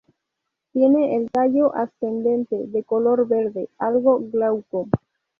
Tiene el tallo ascendente, de color verde, algo glauco.